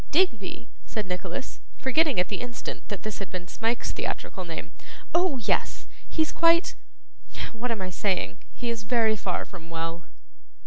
'Digby!' said Nicholas, forgetting at the instant that this had been Smike's theatrical name. 'Oh yes. He's quite what am I saying? he is very far from well.